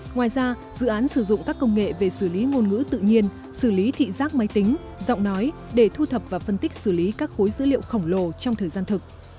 ngoài ra dự án sử dụng các công nghệ về xử lý ngôn ngữ tự nhiên xử lý thị giác máy tính giọng nói để thu thập và phân tích xử lý các khối dữ liệu khổng lồ trong thời gian thực